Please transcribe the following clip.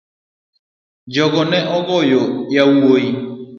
Jogo no goya nyowuoyo.